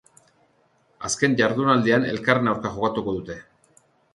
Azken jardunaldian elkarren aurka jokatuko dute.